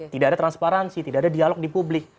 tidak ada transparansi tidak ada dialog di publik